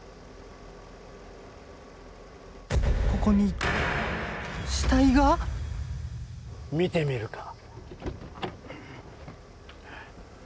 ここに死体が見てみるか？